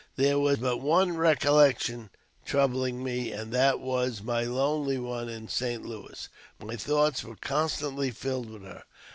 There was but one recollection troubled me, and that was my lonely one in St. Louis. My thoughts were constantly filled with her.